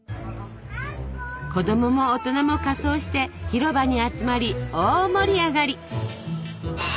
子供も大人も仮装して広場に集まり大盛り上がり。